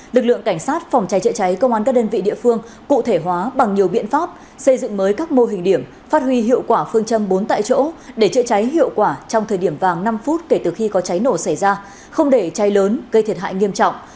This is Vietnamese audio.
lực lượng cảnh sát phòng cháy chữa cháy công an các đơn vị địa phương cụ thể hóa bằng nhiều biện pháp xây dựng mới các mô hình điểm phát huy hiệu quả phương châm bốn tại chỗ để chữa cháy hiệu quả trong thời điểm vàng năm phút kể từ khi có cháy nổ xảy ra không để cháy lớn gây thiệt hại nghiêm trọng